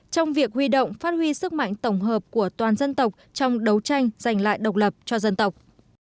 trong việc huy động phát huy sức mạnh tổng hợp của toàn dân tộc trong đấu tranh giành lại độc lập cho dân tộc